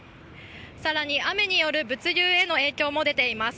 更に、雨による物流への影響も出ています。